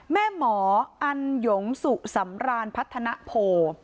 แม่หมออันหยงสุสำรานพัฒนโพ